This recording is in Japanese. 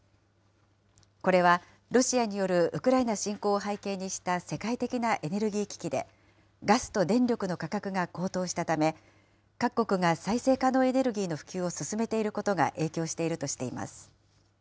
これは、ロシアによるウクライナ侵攻を背景にした世界的なエネルギー危機で、ガスと電力の価格が高騰したため、各国が再生可能エネルギーの普及を進めていることが影響しているとしています。